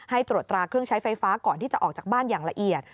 ตรวจตราเครื่องใช้ไฟฟ้าก่อนที่จะออกจากบ้านอย่างละเอียด